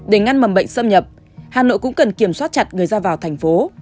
để ngăn mầm bệnh xâm nhập hà nội cũng cần kiểm soát chặt người ra vào thành phố